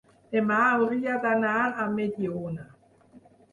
demà hauria d'anar a Mediona.